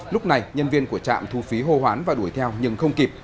lúc này nhân viên của trạm thu phí hô hoán và đuổi theo nhưng không kịp